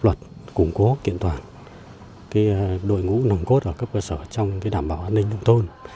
luật củng cố kiện toàn đội ngũ nồng cốt ở cấp cơ sở trong đảm bảo an ninh nông thôn